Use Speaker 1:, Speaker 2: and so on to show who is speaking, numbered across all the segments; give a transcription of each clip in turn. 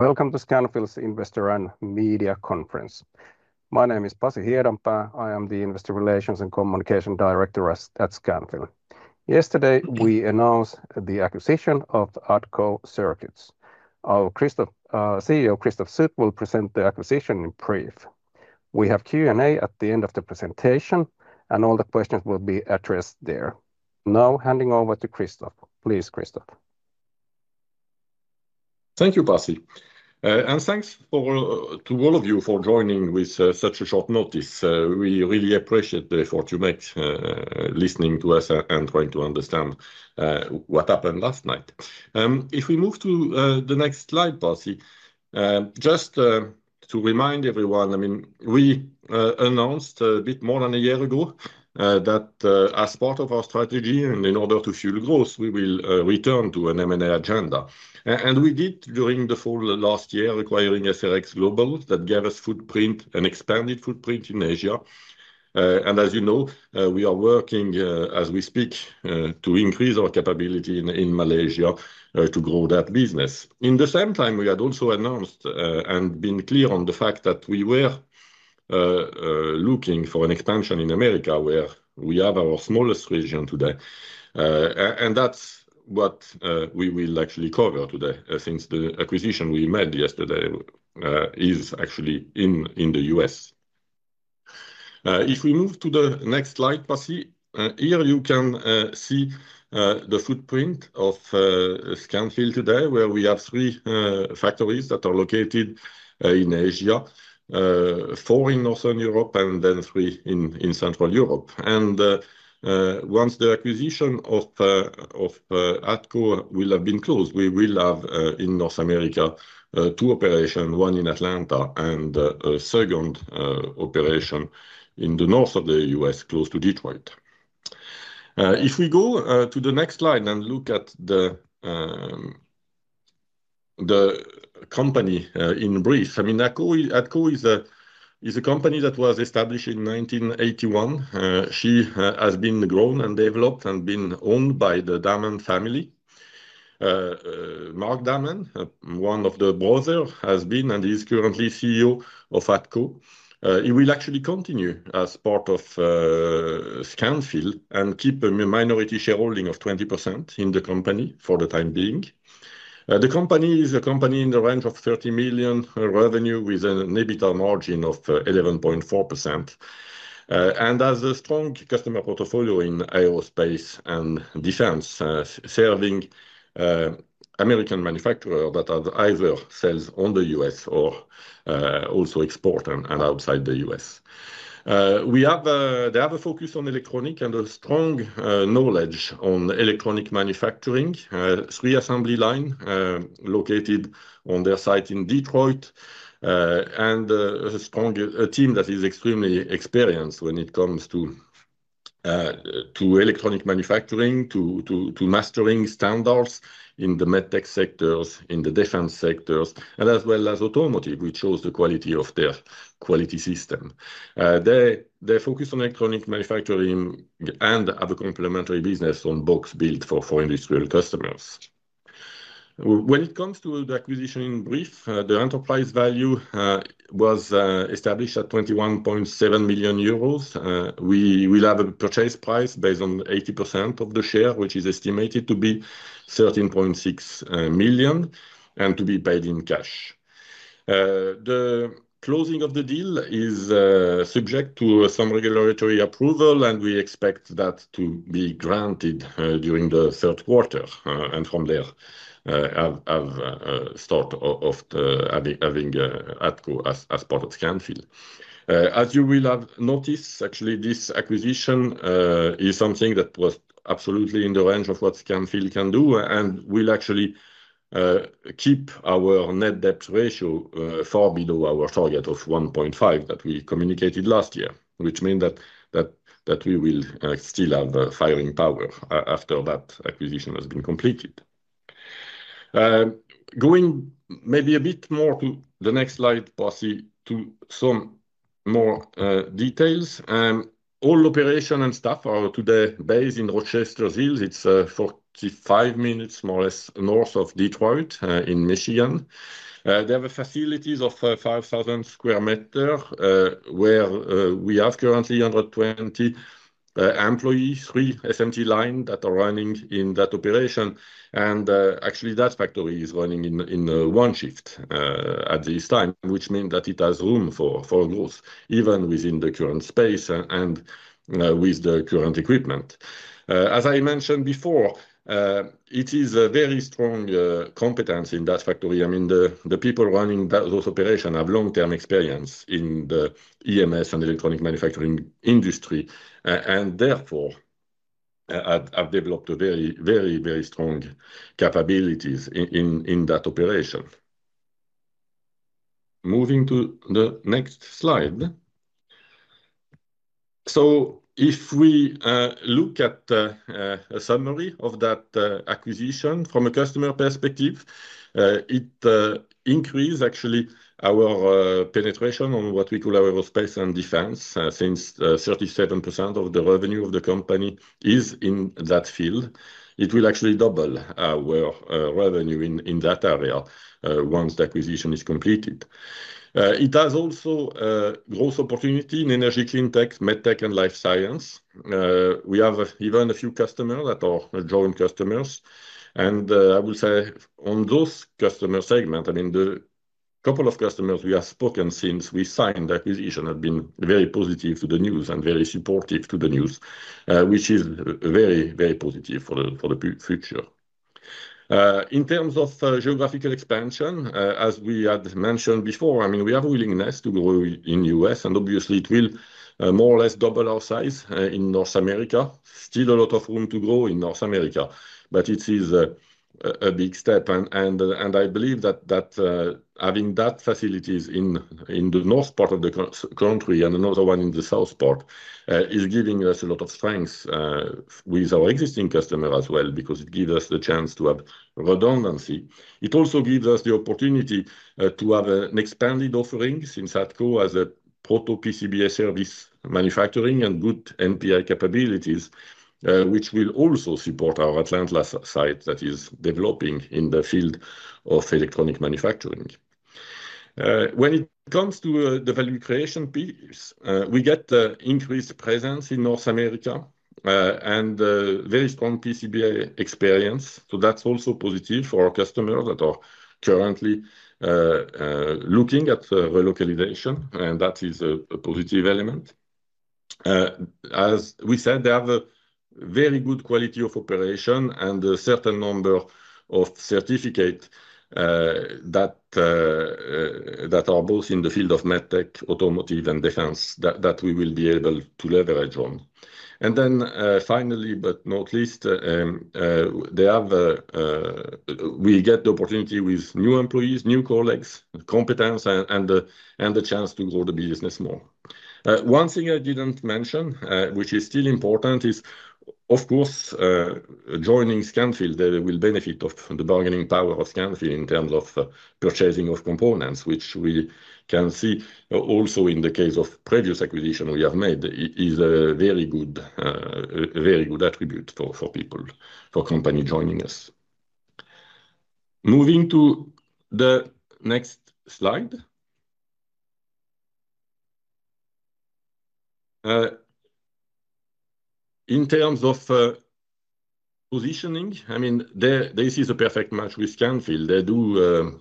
Speaker 1: Welcome to Scanfil's Investor and Media Conference. My name is Pasi Hiedanpää. I am the Investor Relations and Communication Director at Scanfil. Yesterday, we announced the acquisition of ADCO Circuits. Our CEO, Christoph Sut, will present the acquisition in brief. We have Q&A at the end of the presentation, and all the questions will be addressed there. Now, handing over to Christoph. Please, Christoph.
Speaker 2: Thank you, Pasi. And thanks to all of you for joining with such a short notice. We really appreciate the effort you make listening to us and trying to understand what happened last night. If we move to the next slide, Pasi, just to remind everyone, I mean, we announced a bit more than a year ago that, as part of our strategy and in order to fuel growth, we will return to an M&A agenda. We did during the full last year, acquiring SRXGlobal that gave us a footprint, an expanded footprint in Asia. As you know, we are working as we speak to increase our capability in Malaysia to grow that business. In the same time, we had also announced and been clear on the fact that we were looking for an expansion in America, where we have our smallest region today. That is what we will actually cover today since the acquisition we made yesterday is actually in the U.S. If we move to the next slide, Pasi, here you can see the footprint of Scanfil today, where we have three factories that are located in Asia, four in Northern Europe, and three in Central Europe. Once the acquisition of ADCO will have been closed, we will have in North America two operations, one in Atlanta and a second operation in the north of the U.S., close to Detroit. If we go to the next slide and look at the company in brief, I mean, ADCO is a company that was established in 1981. She has been grown and developed and been owned by the Damon family. Mark Damon, one of the brothers, has been and is currently CEO of ADCO. He will actually continue as part of Scanfil and keep a minority shareholding of 20% in the company for the time being. The company is a company in the range of 30 million revenue with an EBITDA margin of 11.4%. It has a strong customer portfolio in aerospace and defense, serving American manufacturers that either sell in the U.S. or also export and outside the U.S. They have a focus on electronics and a strong knowledge on electronic manufacturing, a three-assembly line located on their site in Detroit, and a strong team that is extremely experienced when it comes to electronic manufacturing, to mastering standards in the medtech sectors, in the defense sectors, and as well as automotive, which shows the quality of their quality system. They focus on electronic manufacturing and have a complementary business on box build for industrial customers. When it comes to the acquisition in brief, the enterprise value was established at 21.7 million euros. We will have a purchase price based on 80% of the share, which is estimated to be 13.6 million and to be paid in cash. The closing of the deal is subject to some regulatory approval, and we expect that to be granted during the third quarter and from there have start of having ADCO as part of Scanfil. As you will have noticed, actually, this acquisition is something that was absolutely in the range of what Scanfil can do and will actually keep our net debt ratio far below our target of 1.5 that we communicated last year, which means that we will still have firing power after that acquisition has been completed. Going maybe a bit more to the next slide, Pasi, to some more details. All operation and stuff are today based in Rochester Hills. It is 45 minutes more or less north of Detroit in Michigan. They have a facility of 5,000 sq m where we have currently under 20 employees, three SMT lines that are running in that operation. Actually, that factory is running in one shift at this time, which means that it has room for growth even within the current space and with the current equipment. As I mentioned before, it is a very strong competence in that factory. I mean, the people running those operations have long-term experience in the EMS and electronic manufacturing industry and therefore have developed very, very, very strong capabilities in that operation. Moving to the next slide. If we look at a summary of that acquisition from a customer perspective, it increased actually our penetration on what we call our aerospace and defense since 37% of the revenue of the company is in that field. It will actually double our revenue in that area once the acquisition is completed. It has also growth opportunity in energy clean tech, medtech, and life science. We have even a few customers that are joint customers. I will say on those customer segments, I mean, the couple of customers we have spoken since we signed the acquisition have been very positive to the news and very supportive to the news, which is very, very positive for the future. In terms of geographical expansion, as we had mentioned before, I mean, we have a willingness to grow in the U.S., and obviously, it will more or less double our size in North America. Still a lot of room to grow in North America, but it is a big step. I believe that having that facilities in the north part of the country and another one in the south part is giving us a lot of strength with our existing customer as well because it gives us the chance to have redundancy. It also gives us the opportunity to have an expanded offering since ADCO has a proto PCB service manufacturing and good NPI capabilities, which will also support our Atlanta site that is developing in the field of electronic manufacturing. When it comes to the value creation piece, we get increased presence in North America and very strong PCB experience. That is also positive for our customers that are currently looking at relocalization, and that is a positive element. As we said, they have a very good quality of operation and a certain number of certificates that are both in the field of medtech, automotive, and defense that we will be able to leverage on. Finally, but not least, we get the opportunity with new employees, new colleagues, competence, and the chance to grow the business more. One thing I didn't mention, which is still important, is, of course, joining Scanfil, they will benefit of the bargaining power of Scanfil in terms of purchasing of components, which we can see also in the case of previous acquisition we have made, is a very good attribute for people, for companies joining us. Moving to the next slide. In terms of positioning, I mean, this is a perfect match with Scanfil. They do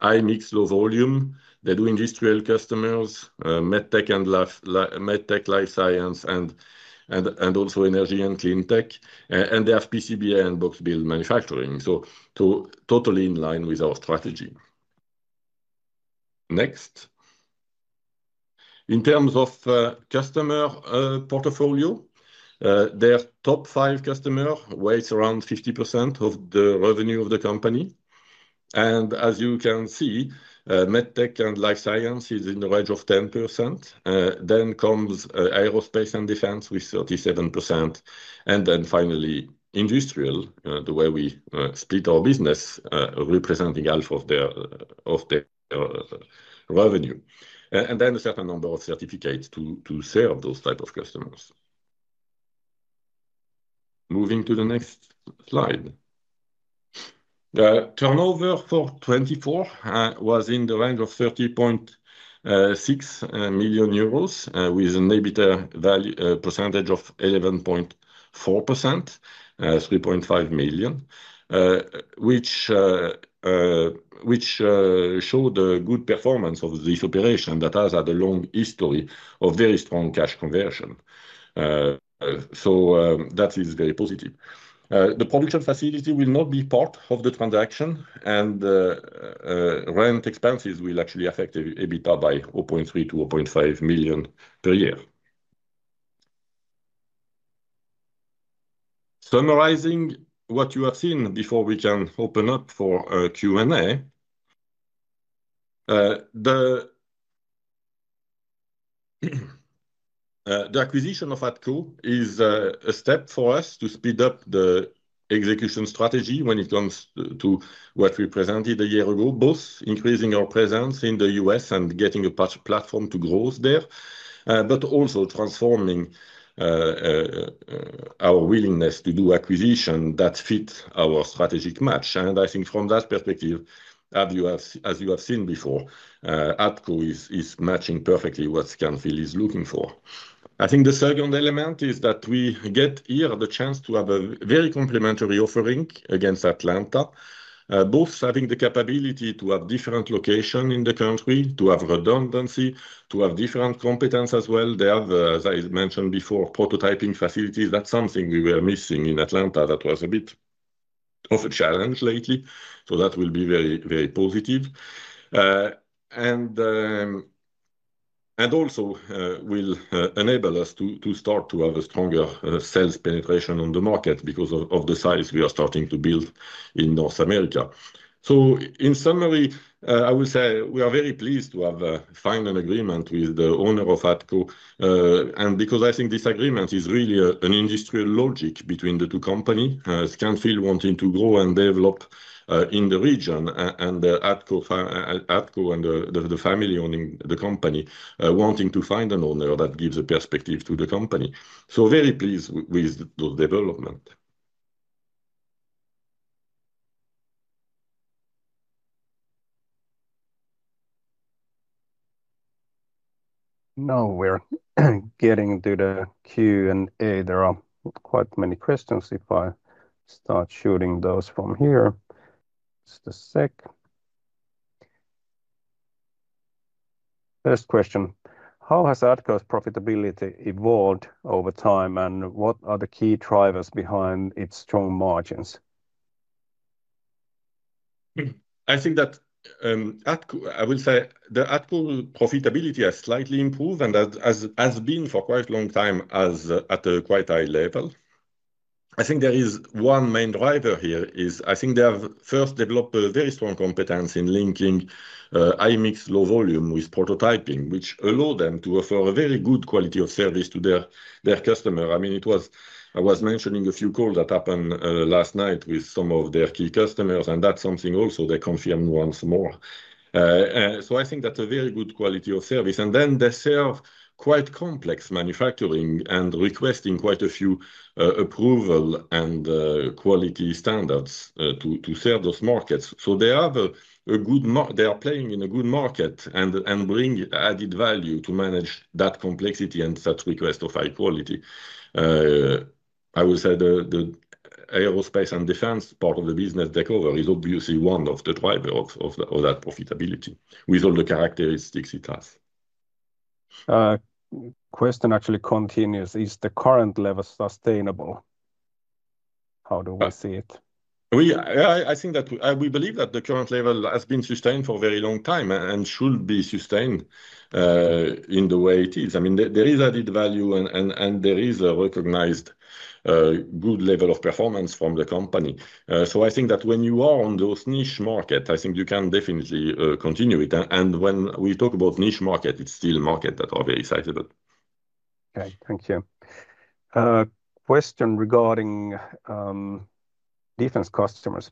Speaker 2: high mix, low volume. They do industrial customers, medtech and life science, and also energy and clean tech. They have PCB and box build manufacturing. Totally in line with our strategy. Next. In terms of customer portfolio, their top five customers weigh around 50% of the revenue of the company. As you can see, medtech and life science is in the range of 10%. Then comes aerospace and defense with 37%. Finally, industrial, the way we split our business, representing half of their revenue. Then a certain number of certificates to serve those types of customers. Moving to the next slide. Turnover for 2024 was in the range of 30.6 million euros with an EBITDA percentage of 11.4%, 3.5 million, which showed a good performance of this operation that has had a long history of very strong cash conversion. That is very positive. The production facility will not be part of the transaction, and rent expenses will actually affect EBITDA by 0.3-0.5 million per year. Summarizing what you have seen before we can open up for Q&A, the acquisition of ADCO is a step for us to speed up the execution strategy when it comes to what we presented a year ago, both increasing our presence in the U.S. and getting a platform to grow there, but also transforming our willingness to do acquisition that fits our strategic match. I think from that perspective, as you have seen before, ADCO is matching perfectly what Scanfil is looking for. I think the second element is that we get here the chance to have a very complementary offering against Atlanta, both having the capability to have different locations in the country, to have redundancy, to have different competence as well. They have, as I mentioned before, prototyping facilities. That's something we were missing in Atlanta that was a bit of a challenge lately. That will be very, very positive. It will also enable us to start to have a stronger sales penetration on the market because of the size we are starting to build in North America. In summary, I will say we are very pleased to have a final agreement with the owner of ADCO. I think this agreement is really an industrial logic between the two companies, Scanfil wanting to grow and develop in the region and ADCO and the family owning the company wanting to find an owner that gives a perspective to the company. Very pleased with the development.
Speaker 1: Now we're getting to the Q&A. There are quite many questions if I start shooting those from here. Just a sec. First question. How has ADCO's profitability evolved over time and what are the key drivers behind its strong margins?
Speaker 2: I think that ADCO, I will say the ADCO profitability has slightly improved and has been for quite a long time at a quite high level. I think there is one main driver here is I think they have first developed a very strong competence in linking high mix, low volume with prototyping, which allowed them to offer a very good quality of service to their customer. I mean, I was mentioning a few calls that happened last night with some of their key customers, and that's something also they confirmed once more. I think that's a very good quality of service. They serve quite complex manufacturing and requesting quite a few approval and quality standards to serve those markets. They are playing in a good market and bring added value to manage that complexity and such request of high quality. I will say the aerospace and defense part of the business takeover is obviously one of the drivers of that profitability with all the characteristics it has. Question actually continues. Is the current level sustainable? How do we see it? I think that we believe that the current level has been sustained for a very long time and should be sustained in the way it is. I mean, there is added value and there is a recognized good level of performance from the company. I think that when you are on those niche markets, I think you can definitely continue it. When we talk about niche market, it's still a market that are very sizable.
Speaker 1: Okay, thank you. Question regarding defense customers.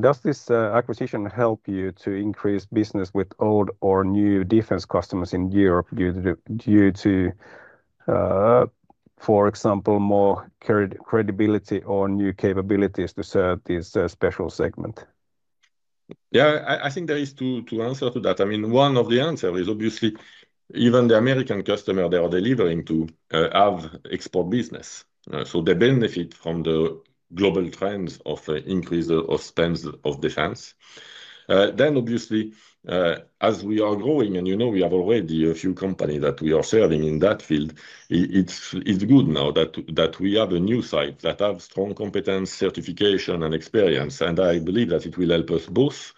Speaker 1: Does this acquisition help you to increase business with old or new defense customers in Europe due to, for example, more credibility or new capabilities to serve this special segment?
Speaker 2: Yeah, I think there is two answers to that. I mean, one of the answers is obviously even the American customer they are delivering to have export business. So they benefit from the global trends of increase of spends of defense. Obviously, as we are growing and you know we have already a few companies that we are serving in that field, it's good now that we have a new site that has strong competence, certification, and experience. I believe that it will help us both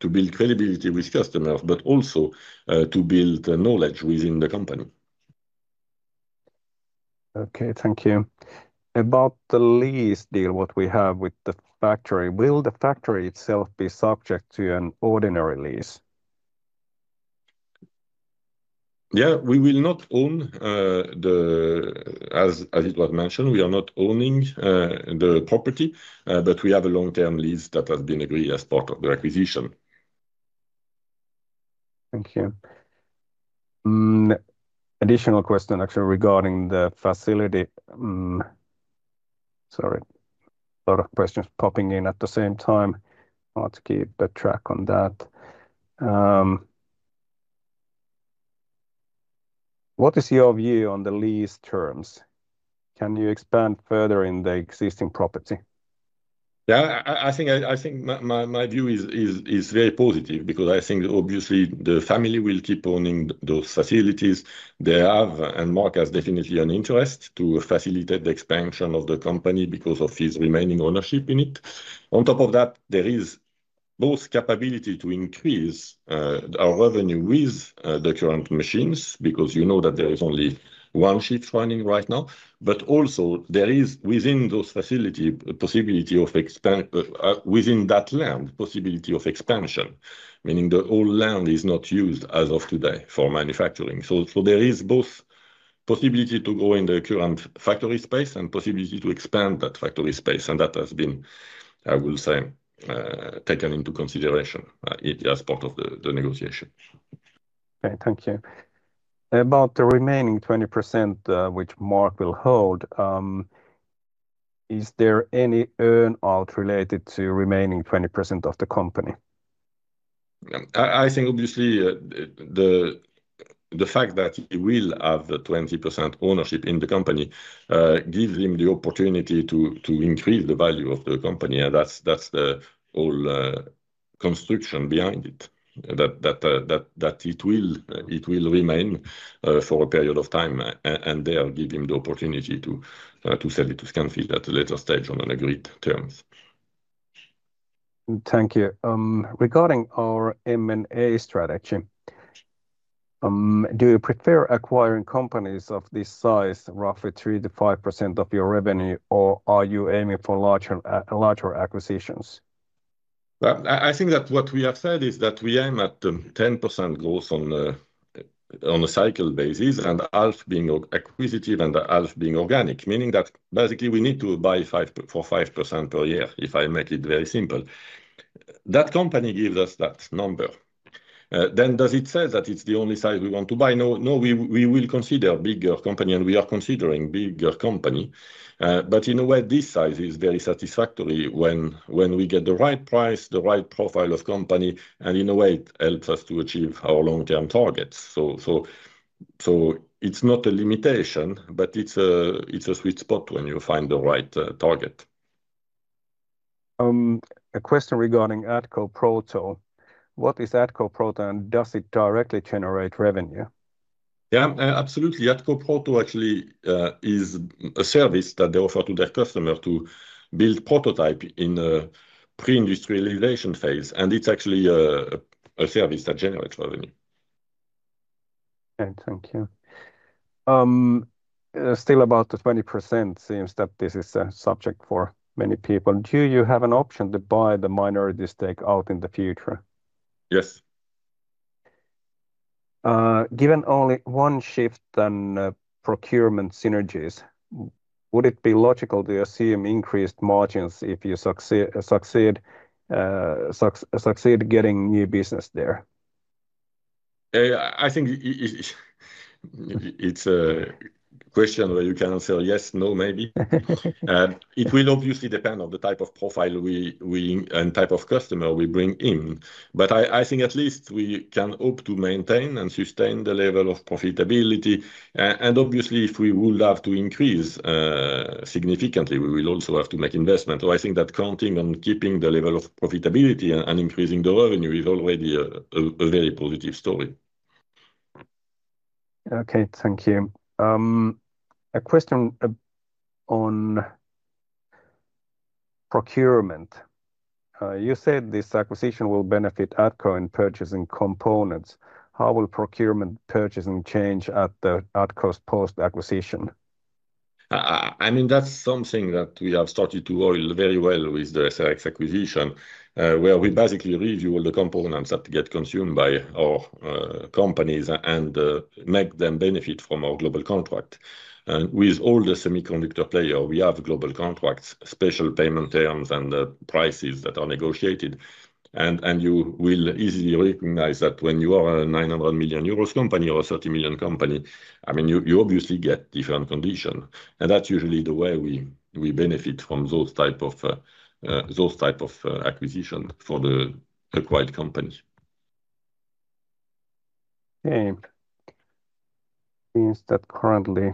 Speaker 2: to build credibility with customers, but also to build knowledge within the company.
Speaker 1: Okay, thank you. About the lease deal, what we have with the factory, will the factory itself be subject to an ordinary lease?
Speaker 2: Yeah, we will not own the, as it was mentioned, we are not owning the property, but we have a long-term lease that has been agreed as part of the acquisition.
Speaker 1: Thank you. Additional question actually regarding the facility. Sorry, a lot of questions popping in at the same time. I'll have to keep a track on that. What is your view on the lease terms? Can you expand further in the existing property?
Speaker 2: Yeah, I think my view is very positive because I think obviously the family will keep owning those facilities. They have and Mark has definitely an interest to facilitate the expansion of the company because of his remaining ownership in it. On top of that, there is both capability to increase our revenue with the current machines because you know that there is only one shift running right now, but also there is within those facilities a possibility of expanding within that land, possibility of expansion, meaning the whole land is not used as of today for manufacturing. There is both possibility to go in the current factory space and possibility to expand that factory space. That has been, I will say, taken into consideration as part of the negotiation.
Speaker 1: Okay, thank you. About the remaining 20% which Mark will hold, is there any earn-out related to remaining 20% of the company?
Speaker 2: I think obviously the fact that he will have the 20% ownership in the company gives him the opportunity to increase the value of the company. That's the whole construction behind it, that it will remain for a period of time and there give him the opportunity to sell it to Scanfil at a later stage on agreed terms.
Speaker 1: Thank you. Regarding our M&A strategy, do you prefer acquiring companies of this size, roughly 3%-5% of your revenue, or are you aiming for larger acquisitions?
Speaker 2: I think that what we have said is that we aim at 10% growth on a cycle basis and half being acquisitive and half being organic, meaning that basically we need to buy for 5% per year, if I make it very simple. That company gives us that number. Does it say that it's the only size we want to buy? No, we will consider a bigger company and we are considering a bigger company. In a way, this size is very satisfactory when we get the right price, the right profile of company, and in a way, it helps us to achieve our long-term targets. It is not a limitation, but it is a sweet spot when you find the right target.
Speaker 1: A question regarding ADCOproto. What is ADCOproto and does it directly generate revenue?
Speaker 2: Yeah, absolutely. ADCOproto actually is a service that they offer to their customer to build prototype in a pre-industrialization phase. It is actually a service that generates revenue.
Speaker 1: Okay, thank you. Still about the 20% seems that this is a subject for many people. Do you have an option to buy the minority stake out in the future?
Speaker 2: Yes.
Speaker 1: Given only one shift and procurement synergies, would it be logical to assume increased margins if you succeed getting new business there?
Speaker 2: I think it's a question where you can answer yes, no, maybe. It will obviously depend on the type of profile and type of customer we bring in. I think at least we can hope to maintain and sustain the level of profitability. Obviously, if we would have to increase significantly, we will also have to make investments. I think that counting on keeping the level of profitability and increasing the revenue is already a very positive story.
Speaker 1: Okay, thank you. A question on procurement. You said this acquisition will benefit ADCO in purchasing components. How will procurement purchasing change at ADCO post-acquisition?
Speaker 2: I mean, that's something that we have started to oil very well with the SRX acquisition, where we basically review all the components that get consumed by our companies and make them benefit from our global contract. With all the semiconductor players, we have global contracts, special payment terms, and prices that are negotiated. You will easily recognize that when you are a 900 million euros company or a 30 million company, you obviously get different conditions. That is usually the way we benefit from those types of acquisitions for the acquired company.
Speaker 1: Okay. It seems that currently,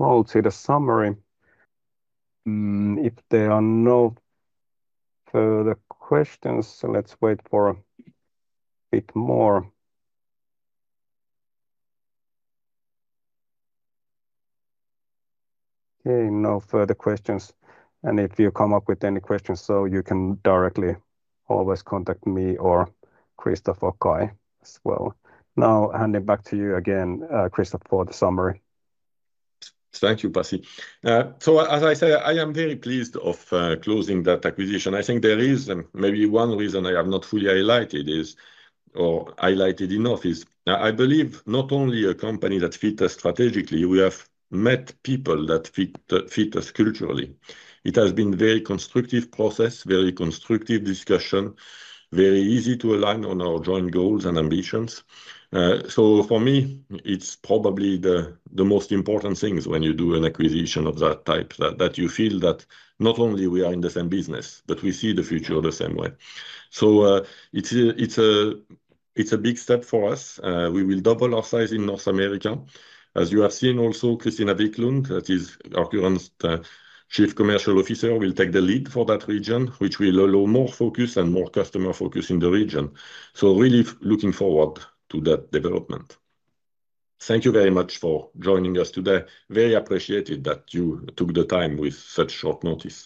Speaker 1: I would say the summary. If there are no further questions, let's wait for a bit more. Okay, no further questions. If you come up with any questions, you can directly always contact me or Christoph or Kai as well. Now, handing back to you again, Christoph, for the summary.
Speaker 2: Thank you, Pasi. As I said, I am very pleased of closing that acquisition. I think there is maybe one reason I have not fully highlighted or highlighted enough is I believe not only a company that fits us strategically, we have met people that fit us culturally. It has been a very constructive process, very constructive discussion, very easy to align on our joint goals and ambitions. For me, it's probably the most important things when you do an acquisition of that type that you feel that not only we are in the same business, but we see the future the same way. It's a big step for us. We will double our size in North America. As you have seen also, Christina Wiklund, that is our current Chief Commercial Officer, will take the lead for that region, which will allow more focus and more customer focus in the region. Really looking forward to that development. Thank you very much for joining us today. Very appreciated that you took the time with such short notice.